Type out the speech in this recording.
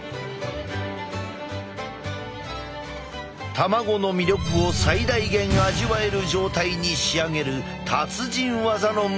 卵の魅力を最大限味わえる状態に仕上げる達人技の持ち主だ。